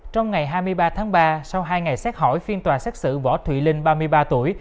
trong ngày hai mươi ba tháng ba sau hai ngày xét hỏi phiên tòa xét xử võ thùy linh ba mươi ba tuổi